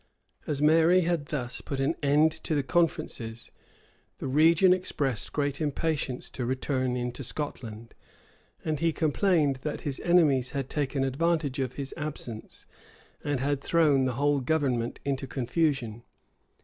As Mary had thus put an end to the conferences, the regent expressed great impatience to return into Scotland; and he complained, that his enemies had taken advantage of his absence, and had thrown the whole government into confusion.